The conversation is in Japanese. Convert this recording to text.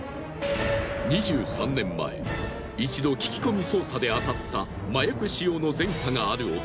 ２３年前一度聞き込み捜査であたった麻薬使用の前科がある男。